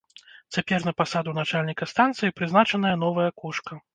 Цяпер на пасаду начальніка станцыі прызначаная новая кошка.